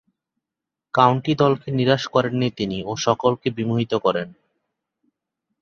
County দলকে নিরাশ করেননি তিনি ও সকলকে বিমোহিত করেন।